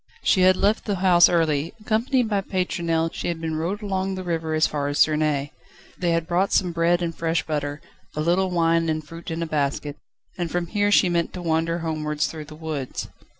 She had left the house early: accompanied by Pétronelle, she had been rowed along the river as far as Suresnes. They had brought some bread and fresh butter, a little wine and fruit in a basket, and from here she meant to wander homewards through the woods.